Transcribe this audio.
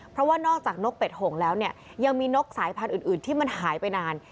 เพราะว่านอกจากนกเป็ดหงแล้วเนี่ยยังมีนกสายพันธุ์อื่นที่มันหายไปนาน